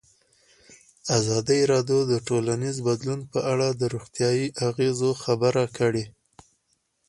ازادي راډیو د ټولنیز بدلون په اړه د روغتیایي اغېزو خبره کړې.